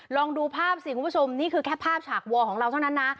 ลองดูภาพสิคุณผู้ชมนี่คือแค่ภาพฉากวอของเราเท่านั้นนะ